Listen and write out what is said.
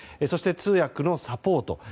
そして、通訳のサポート。